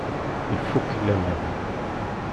Ifukk laman!